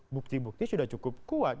bukti bukti sudah cukup kuat